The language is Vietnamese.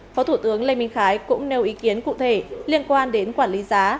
phó thủ tướng lê minh khái cũng nêu ý kiến cụ thể liên quan đến quản lý giá